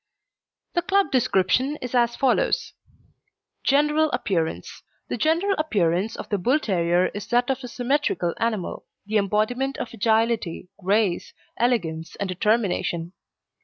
The club description is as follows: GENERAL APPEARANCE The general appearance of the Bull terrier is that of a symmetrical animal, the embodiment of agility, grace, elegance, and determination.